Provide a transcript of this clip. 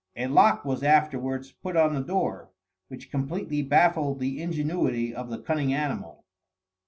A lock was afterwards put on the door, which completely baffled the ingenuity of the cunning animal.